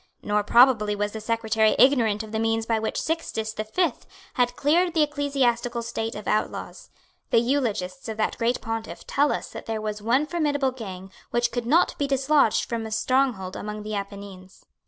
Nor probably was the Secretary ignorant of the means by which Sixtus the Fifth had cleared the ecclesiastical state of outlaws. The eulogists of that great pontiff tell us that there was one formidable gang which could not be dislodged from a stronghold among the Apennines.